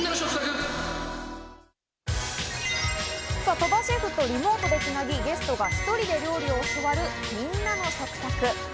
鳥羽シェフとリモートでつなぎ、ゲストが１人で料理を教わるみんなの食卓。